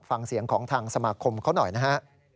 ฟังเสียงของทางสมาคมเขาหน่อยนะฮะ